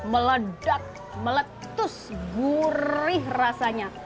meledak meletus gurih rasanya